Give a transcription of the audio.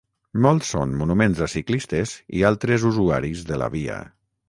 Molts són monuments a ciclistes i altres usuaris de la via.